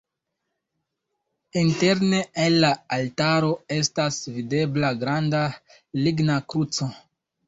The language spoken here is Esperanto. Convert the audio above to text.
Interne en la altaro estas videbla granda ligna kruco.